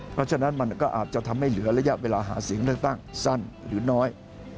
เพราะฉะนั้นมันก็อาจจะทำให้เหลือระยะเวลาหาเสียงเลือกตั้งสั้นหรือน้อย